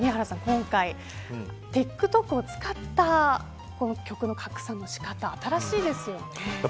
今回ＴｉｋＴｏｋを使った曲の拡散の仕方新しいですよね。